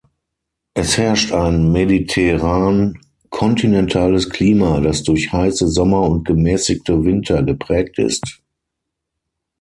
Es herrscht ein mediterran-kontinentales Klima, dass durch heiße Sommer und gemäßigte Winter geprägt ist.